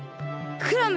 クラム！